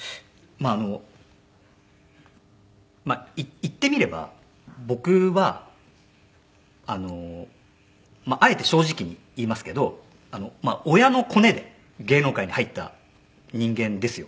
まあ言ってみれば僕はあえて正直に言いますけど親のコネで芸能界に入った人間ですよ。